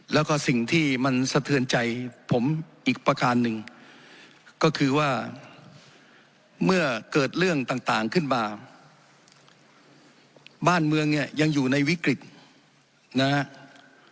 แล้วก็สิ่งที่มันสะเทือนใจผมอีกประการหนึ่งก็คือว่าเมื่อเกิดเรื่องต่างขึ้นมาบ้านเมืองเนี่ยยังอยู่ในวิกฤตนะครับ